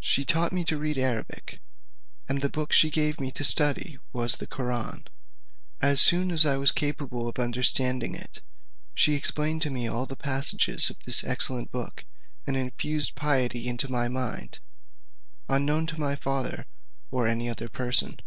She taught me to read Arabic, and the book she gave me to study was the Koraun. As soon as I was capable of understanding it, she explained to me all the passages of this excellent book, and infused piety into my mind, unknown to my father or any other person.